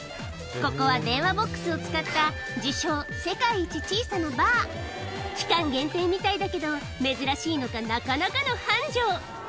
ここは電話ボックスを使った期間限定みたいだけど珍しいのかなかなかの繁盛